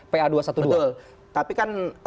pa dua ratus dua belas tapi kan